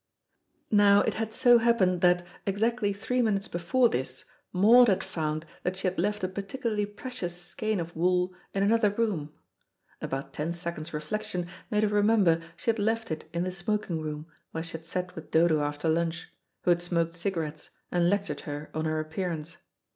Now it had so happened that, exactly three minutes before this, Maud had found that she had left a particularly precious skein of wool in another room. About ten seconds' reflection made her remember she had left it in the smoking room, where she had sat with Dodo after lunch, who had smoked cigarettes, and lectured her on her appearance.